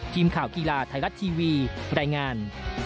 ทีมข่าวกีฬาไทยรัฐทีวีรายงาน